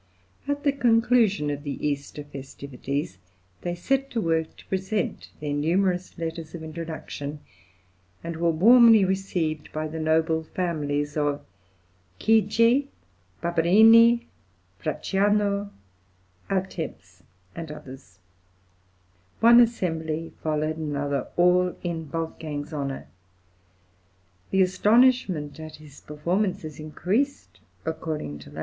At the conclusion of the Easter festivities they set to work to present their numerous letters of introduction, and were warmly received by the noble families of Chigi, Barberini, Bracciano, Altemps, and others: one assembly followed another, all in Wolfgang's honour. The astonishment at his performances increased, according to L.